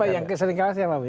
yang sering kalah siapa